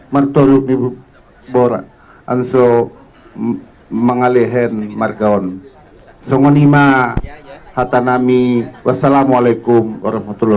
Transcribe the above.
mentolong dibuat borat anso mengalihkan margaon songoni mahatanami wassalamualaikum warahmatullah